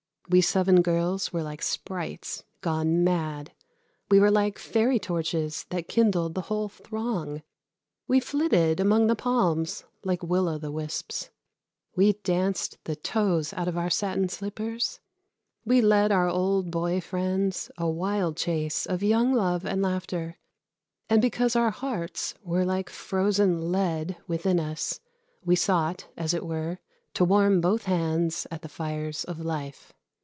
We seven girls were like sprites gone mad. We were like fairy torches that kindled the whole throng. We flitted among the palms like will o' the wisps. We danced the toes out of our satin slippers. We led our old boy friends a wild chase of young love and laughter, and because our hearts were like frozen lead within us we sought, as it were, "to warm both hands at the fires of life."